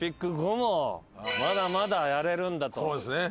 そうですね。